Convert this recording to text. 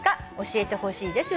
「教えてほしいです。